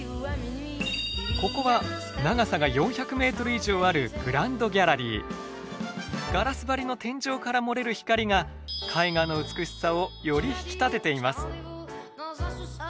ここは長さが４００ｍ以上あるガラス張りの天井から漏れる光が絵画の美しさをより引き立てています。